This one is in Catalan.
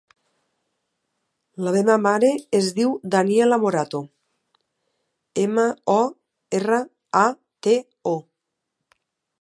La meva mare es diu Daniella Morato: ema, o, erra, a, te, o.